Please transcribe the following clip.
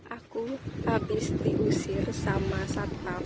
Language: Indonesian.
aku habis diusir sama satpam